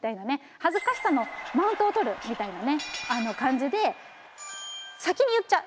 恥ずかしさのマウントをとるみたいな感じで先に言っちゃう。